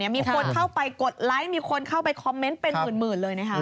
มีคนเข้าไปกดไลค์มีคนเข้าไปคอมเมนต์เป็นหมื่นเลยนะคะ